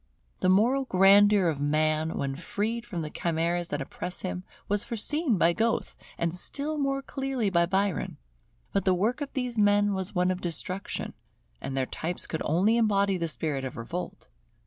The moral grandeur of man when freed from the chimeras that oppress him, was foreseen by Goethe, and still more clearly by Byron. But the work of these men was one of destruction; and their types could only embody the spirit of revolt.